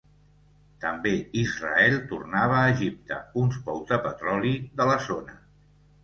També Israel tornava a Egipte uns pous de petroli de la zona.